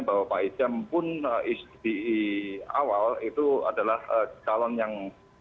bahwa pak ijam pun di awal itu adalah calon yang